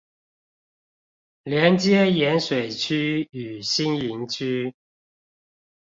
連接鹽水區與新營區